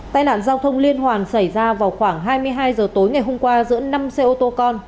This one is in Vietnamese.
tai nạn giao thông liên hoàn xảy ra vào khoảng hai mươi hai h tối ngày hôm qua giữa năm xe ô tô con